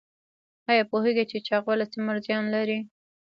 ایا پوهیږئ چې چاغوالی څومره زیان لري؟